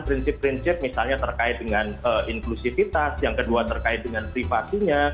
prinsip prinsip misalnya terkait dengan inklusivitas yang kedua terkait dengan privasinya